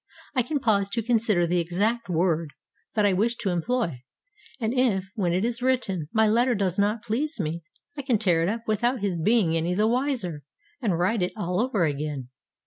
I can pause to consider the exact word that I wish to employ. And if, when it is written, my letter does not please me, I can tear it up without his being any the wiser, and write it all over again.